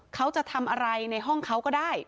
เขาจะทำอะไรในห้องเขาก็ได้